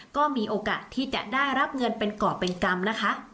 ก็มีโอกาสที่จะได้รับเงินเป็นกรอบเป็นกรรมนะคะ